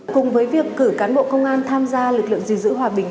cùng với việc cử cán bộ công an tham gia lực lượng gìn giữ hòa bình